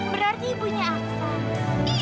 berarti ibunya aksong